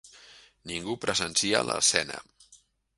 Ningú presencia l'escena.